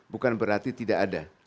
bukan berarti tidak ada